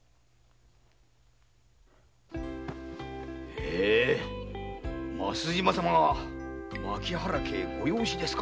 ヘエ増島様が牧原家へご養子ですか。